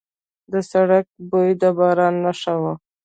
د سړک بوی د باران نښه وه.